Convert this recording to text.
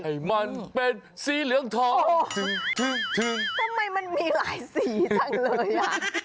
ให้มันเป็นสีเหลืองทองถึงทำไมมันมีหลายสีจังเลยอ่ะ